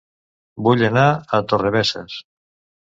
Vull anar a Torrebesses